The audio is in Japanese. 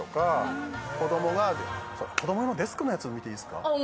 子供が子供のデスクのやつも見ていいですか？